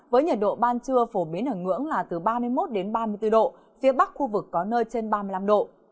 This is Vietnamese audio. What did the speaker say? với nhiệt độ ban trưa phổ biến ở ngưỡng là từ ba mươi một đến ba mươi bốn độ phía bắc khu vực có nơi trên ba mươi năm độ